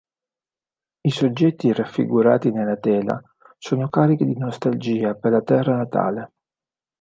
I soggetti raffigurati nella tela sono carichi di nostalgia per la terra natale.